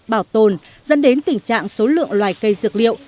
bảo tồn dẫn đến tình trạng số lượng loài cây dược liệu